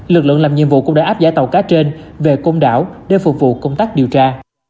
lực lượng làm nhiệm vụ cũng đã áp giải tàu cá trên về công đảo để phục vụ công tác điều tra